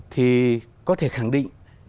thì có thể khẳng định